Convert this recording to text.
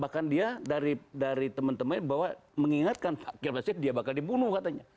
bahkan dia dari teman temannya bahwa mengingatkan pak kalmasin dia bakal dibunuh katanya